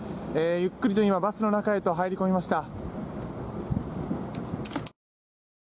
ゆっくりとバスの中へと入り込みました。